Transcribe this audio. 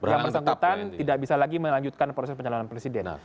yang bersangkutan tidak bisa lagi melanjutkan proses pencalonan presiden